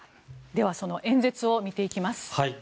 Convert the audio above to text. では、その演説を見ていきます。